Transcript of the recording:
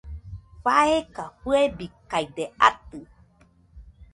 faeka fɨebikaide atɨ